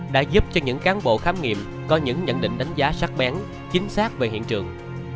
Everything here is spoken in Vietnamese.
đã giúp cho những cán bộ khám nghiệm có những nhận định đánh giá sát bén chính xác về hiện trường